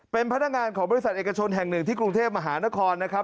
เป็นพนักงานของบริษัทเอกชนแห่งหนึ่งที่กรุงเทพมหานครนะครับ